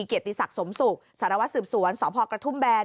เกียรติศักดิ์สมศุกร์สารวัตรสืบสวนสพกระทุ่มแบน